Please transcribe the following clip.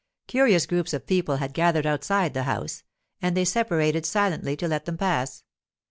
Curious groups of people had gathered outside the house, and they separated silently to let them pass.